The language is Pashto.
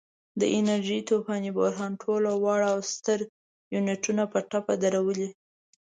د انرژۍ طوفاني بحران ټول واړه او ستر یونټونه په ټپه درولي.